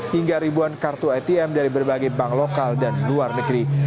hingga ribuan kartu atm dari berbagai bank lokal dan luar negeri